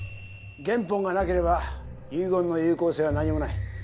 原本がなければ遺言の有効性は何もない。